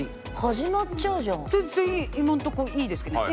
全然今のとこいいですけどね。